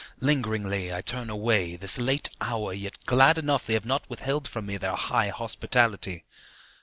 Lingeringly I turn away, This late hour, yet glad enough They have not withheld from me Their high hospitality.